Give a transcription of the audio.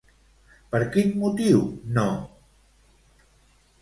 Per quin motiu no?